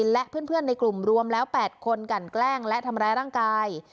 และเพื่อนในกลุ่มรวมแล้ว๘คนกันแกล้งและทำร้ายร่างกาย